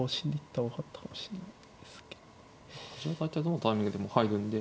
端は大体どのタイミングでも入るんで。